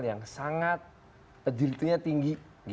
yang sangat adilitinya tinggi